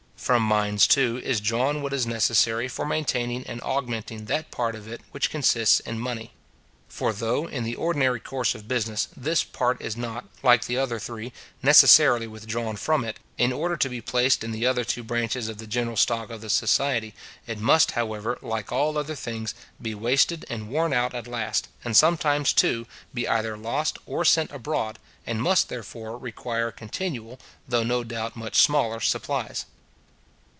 From mines, too, is drawn what is necessary for maintaining and augmenting that part of it which consists in money. For though, in the ordinary course of business, this part is not, like the other three, necessarily withdrawn from it, in order to be placed in the other two branches of the general stock of the society, it must, however, like all other things, be wasted and worn out at last, and sometimes, too, be either lost or sent abroad, and must, therefore, require continual, though no doubt much smaller supplies.